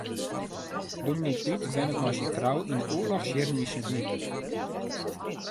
Dominee Pyt wennet mei syn frou yn de oarlochsjierren yn Sint Nyk.